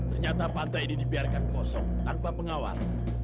ternyata pantai ini dibiarkan kosong tanpa pengawal